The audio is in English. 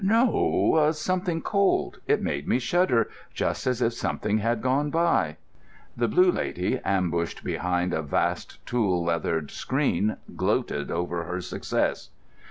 "No—something cold: it made me shudder, just as if something had gone by." The Blue Lady, ambushed behind a vast tooled leather screen, gloated over her success.